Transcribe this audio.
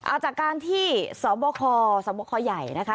เอาจากการที่สบคสบคใหญ่นะคะ